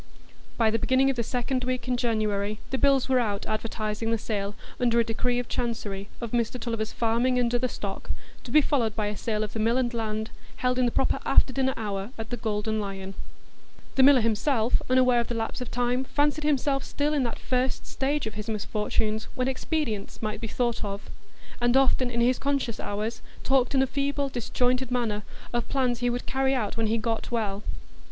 By the beginning of the second week in January, the bills were out advertising the sale, under a decree of Chancery, of Mr Tulliver's farming and other stock, to be followed by a sale of the mill and land, held in the proper after dinner hour at the Golden Lion. The miller himself, unaware of the lapse of time, fancied himself still in that first stage of his misfortunes when expedients might be thought of; and often in his conscious hours talked in a feeble, disjointed manner of plans he would carry out when he "got well."